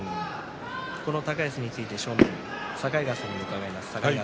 高安について正面の境川さんにも伺います。